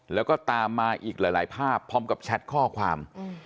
แล้วก็ตามมาอีกหลายภาพพร้อมกับแชทข้อความ